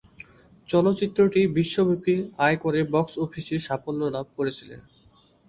চলচ্চিত্রটি বিশ্বব্যাপী আয় করে বক্স অফিসে সাফল্য লাভ করেছিল।